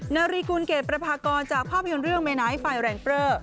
นาริคุณเกรดประภากรจากภาพยนตร์เรื่องเมนะไฟแดงเพลอ